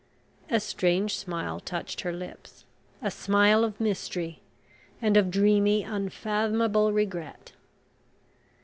A strange smile touched her lips; a smile of mystery, and of dreamy, unfathomable regret.